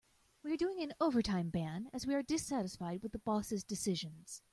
We are doing an overtime ban as we are dissatisfied with the boss' decisions.